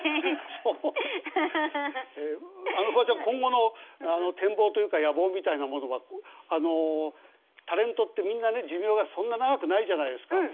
今後の展望というか野望みたいなものはあのタレントってみんなね寿命がそんな長くないじゃないですか。